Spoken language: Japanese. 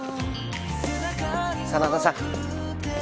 真田さん。